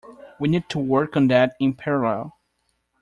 We need to work on that in parallel.